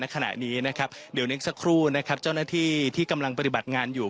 ขณะนี้นะครับเดี๋ยวนึกสักครู่นะครับเจ้าหน้าที่ที่กำลังปฏิบัติงานอยู่